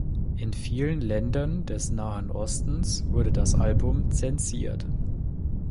In vielen Ländern des Nahen Ostens wurde das Album zensiert.